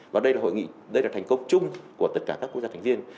và đây là hội nghị đây là thành công chung của tất cả các quốc gia thành viên